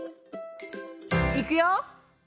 いくよ！